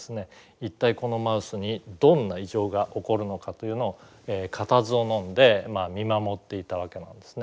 一体このマウスにどんな異常が起こるのかというのを固唾をのんで見守っていたわけなんですね。